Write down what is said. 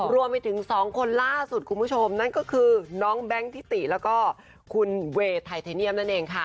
รวมไปถึง๒คนล่าสุดคุณผู้ชมนั่นก็คือน้องแบงค์ทิติแล้วก็คุณเวย์ไทเทเนียมนั่นเองค่ะ